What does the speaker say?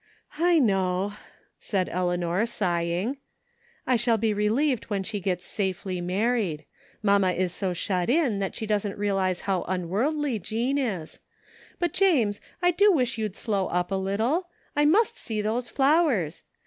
" I know," said Eleanor, sighing. " I shall be relieved when she gets safely married. Mamma is so shut in that she doesn't realize how unworldly Jean is. But, James, I do wish you'd slow up a little. I must see those flowers.